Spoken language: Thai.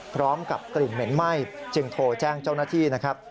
พร้อมกับกลิ่นเหม็นไหม้จึงโทรแจ้งเจ้าหน้าที่นะครับ